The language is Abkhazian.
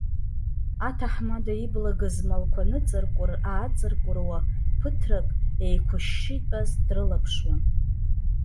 Аҭаҳмада ибла гызмалқәа ныҵаркәыр-ааҵаркәыруа, ԥыҭрак, еиқәышьшьы итәаз дрылаԥшуан.